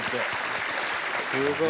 すごい。